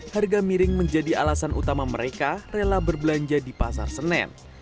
harga miring menjadi alasan utama mereka rela berbelanja di pasar senen